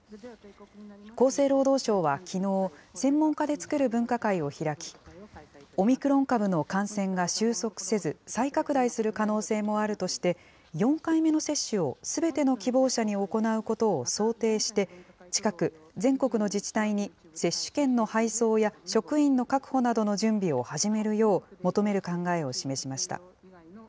厚生労働省はきのう、専門家で作る分科会を開き、オミクロン株の感染が収束せず、再拡大する可能性もあるとして、４回目の接種をすべての希望者に行うことを想定して、近く、全国の自治体に接種券の配送や職員の確保などの準備を始めるよう求める考えを示しました。